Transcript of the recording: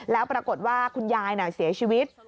แล้วปรากฏว่าคุณยายเสียชีวิต